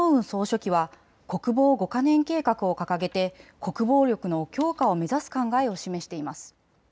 総書記は国防５か年計画を掲げて国防力の強化を目指す考えを示しています。